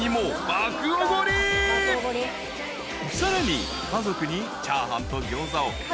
［さらに］